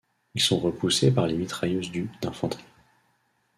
Ils sont repoussés par les mitrailleuses du d'infanterie.